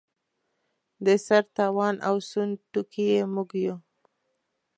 د سر تاوان او سوند توکي یې موږ یو.